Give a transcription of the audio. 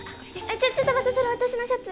ちょっちょっと待ってそれ私のシャツ。